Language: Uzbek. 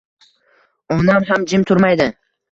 Onam ham jim turmaydi